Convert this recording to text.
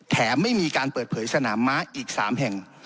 ไม่มีการเปิดเผยสนามม้าอีก๓แห่ง